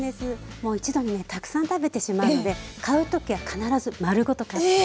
もう一度にねたくさん食べてしまうので買う時は必ず丸ごと買って。